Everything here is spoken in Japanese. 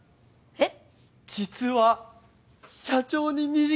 えっ